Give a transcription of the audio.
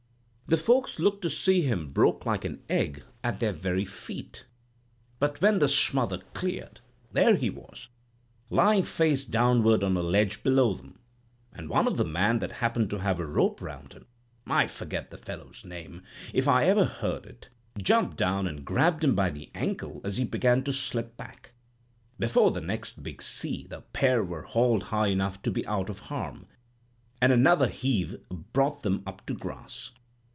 The folks looked to see him broke like an egg at their very feet; but when the smother cleared, there he was, lying face downward on a ledge below them; and one of the men that happened to have a rope round him—I forgot the fellow's name, if I ever heard it—jumped down and grabbed him by the ankle as he began to slip back. Before the next big sea, the pair were hauled high enough to be out of harm, and another heave brought them up to grass.